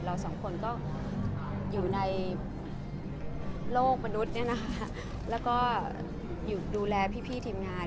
เราสองคนก็อยู่ในโลกมนุษย์เนี่ยนะคะแล้วก็อยู่ดูแลพี่ทีมงาน